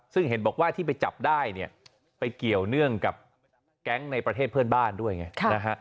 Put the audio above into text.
ซึ่งเห็นบอกว่าที่ไปจับได้เนี่ยไปเกี่ยวเนื่องกับแก๊งในประเทศเพื่อนบ้านด้วยไงนะฮะ